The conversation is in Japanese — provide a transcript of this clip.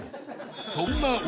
［そんな鬼